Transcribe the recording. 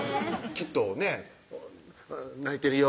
きっとね「泣いてるよ」